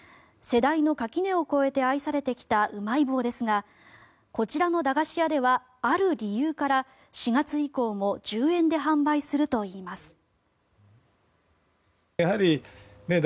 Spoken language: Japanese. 世代の垣根を越えて愛されてきたうまい棒ですがこちらの駄菓子屋ではある理由から４月以降も１０円で販売するといいます。